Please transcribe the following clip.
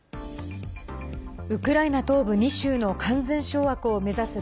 ウクライナ東部２州の完全掌握を目指す